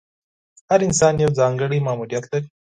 هر انسان یو ځانګړی ماموریت لري.